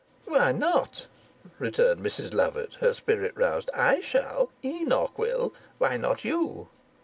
"Why not?" returned Mrs Lovatt, her spirit roused. "I shall. Enoch will. Why not you?"